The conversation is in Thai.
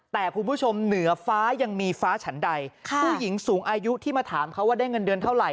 แต่คุณผู้ชมเหนือฟ้ายังมีฟ้าฉันใดผู้หญิงสูงอายุที่มาถามเขาว่าได้เงินเดือนเท่าไห